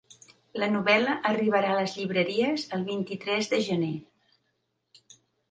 La novel·la arribarà a les llibreries el vint-i-tres de gener.